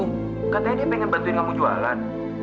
katanya dia pengen bantuin kamu jualan